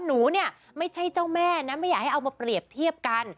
หนูเนี่ยไม่ใช่เจ้าแม่นะไม่อยากให้เอามาเปรียบเทียบกัน